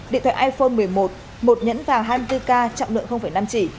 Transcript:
điện thoại iphone một mươi một một nhẫn vàng hai mươi bốn k trọng lượng năm chỉ